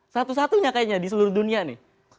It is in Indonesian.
satu satunya kayaknya di seluruh dunia nih